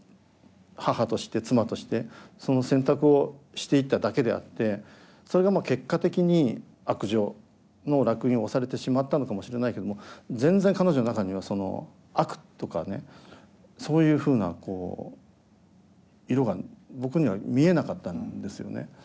母として妻としてその選択をしていっただけであってそれが結果的に悪女の烙印を押されてしまったのかもしれないけども全然彼女の中にはその悪とかねそういうふうな色が僕には見えなかったんですよね。